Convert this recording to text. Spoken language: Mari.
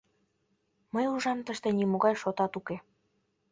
— Мый ужам, тыште нимогай шотат уке.